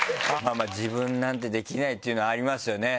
自分なんてできないっていうのはありますよね。